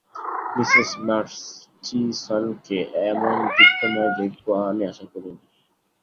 Mrs মার্চিসনকে এমন দীপ্তময় দেখবো আমি আশা করিনি।